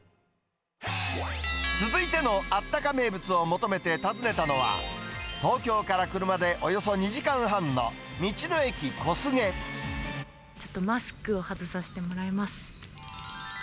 続いてのあったか名物を求めて訪ねたのは、東京から車でおよそ２時間半の、ちょっとマスクを外させてもらいます。